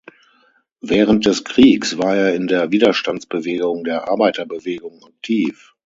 Während des Kriegs war er in der Widerstandsbewegung der Arbeiterbewegung aktiv.